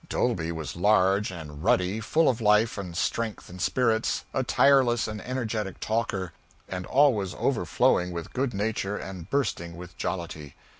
Dolby was large and ruddy, full of life and strength and spirits, a tireless and energetic talker, and always overflowing with good nature and bursting with jollity.